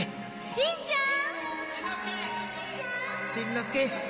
しんちゃん！